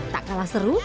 tak kalah seru